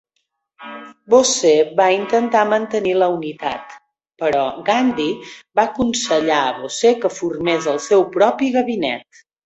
Bose va intentar mantenir la unitat, però Gandhi va aconsellar a Bose que formés el seu propi gabinet.